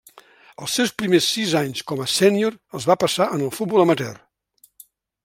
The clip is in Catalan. Els seus primers sis anys com a sènior els va passar en el futbol amateur.